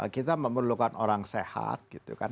kita memerlukan orang sehat gitu kan